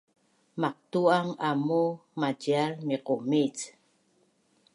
Maqtu’ang amuu macial miqumic